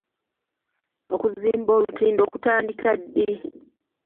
Okuzimba olutindo kutandika ddi?